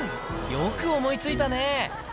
よく思いついたね。